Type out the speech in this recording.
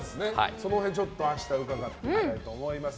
その辺、明日伺ってみたいと思います。